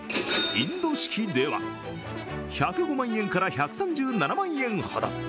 インド式では１０５万円から１３７万円ほど。